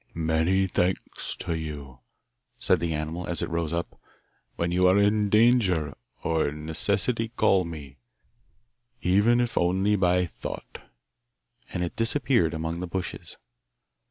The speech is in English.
'Many thanks to you,' said the animal as it rose up. 'When you are in danger or necessity call me, even if only by a thought,' and it disappeared among the bushes.